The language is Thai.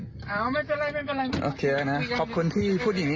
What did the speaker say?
ถ่ายคลิปอยู่นะ